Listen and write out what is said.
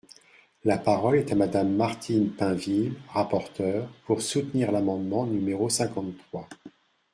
La parole est à Madame Martine Pinville, rapporteure, pour soutenir l’amendement numéro cinquante-trois.